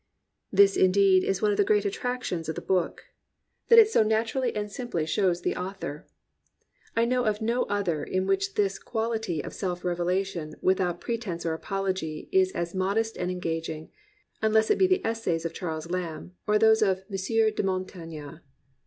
This indeed is one of the great attractions of the book, that it so naturally and simply shows the 293 COMPANIONABLE BOOKS author. I know of no other in which this quality of self revelation without pretense or apology is as modest and engaging, — unless it be the Essays of Charles Lamb, or those of M. de Montaigne.